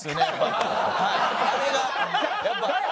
あれがやっぱ。